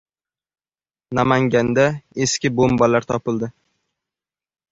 Namanganda eski bombalar topildi